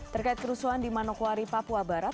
terkait kerusuhan di manokwari papua barat